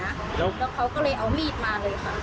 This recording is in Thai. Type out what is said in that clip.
แล้วเขาก็เลยเอามีดมาเลยค่ะ